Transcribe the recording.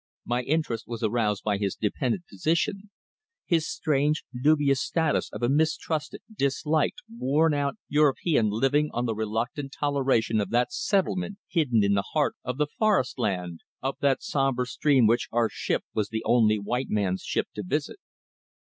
My interest was aroused by his dependent position, his strange, dubious status of a mistrusted, disliked, worn out European living on the reluctant toleration of that Settlement hidden in the heart of the forest land, up that sombre stream which our ship was the only white men's ship to visit.